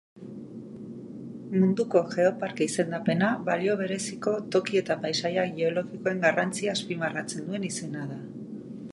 Munduko Geoparke izendapena balio bereziko toki eta paisaia geologikoen garrantzia azpimarratzen duen izena da.